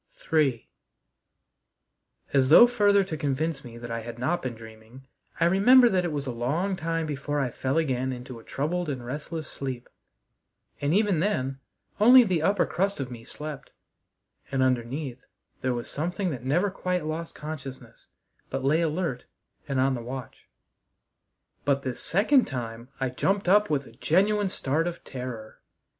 III As though further to convince me that I had not been dreaming, I remember that it was a long time before I fell again into a troubled and restless sleep; and even then only the upper crust of me slept, and underneath there was something that never quite lost consciousness, but lay alert and on the watch. But this second time I jumped up with a genuine start of terror.